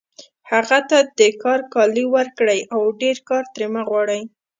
هغه ته د کار کالي ورکړئ او ډېر کار ترې مه غواړئ